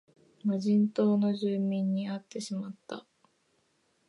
無人島の住民に会ってしまった